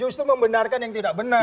justru membenarkan yang tidak benar